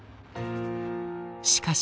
しかし。